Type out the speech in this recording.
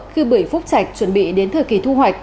khi bưởi phúc trạch chuẩn bị đến thời kỳ thu hoạch